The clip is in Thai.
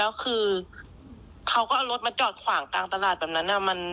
แล้วคือเขาก็เอารถมาจอดขวางกลางตลาดแบบนั้น